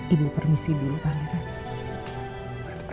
ibu permisi dulu pak lera